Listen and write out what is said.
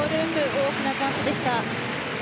大きなジャンプでした。